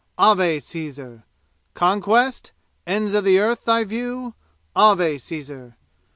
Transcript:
Ave, Caesar! Conquest? Ends of Earth thy view? Ave, Caesar!